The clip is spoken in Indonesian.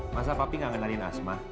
masa papi gak ngenalin asma